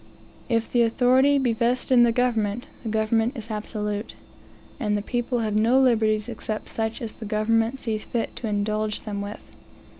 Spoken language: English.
If the authority be vested in the government, the governmnt is absolute, and the people have no liberties except such as the government sees fit to indulge them with.